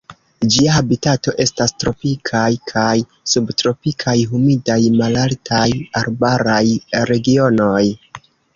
Ĝia habitato estas tropikaj kaj subtropikaj humidaj malaltaj arbaraj regionoj.